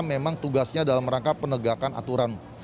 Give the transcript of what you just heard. memang tugasnya dalam rangka penegakan aturan